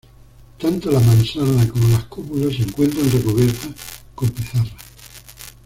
Tanto la mansarda como las cúpulas se encuentran recubiertas con pizarra.